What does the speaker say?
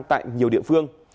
tại nhiều địa phương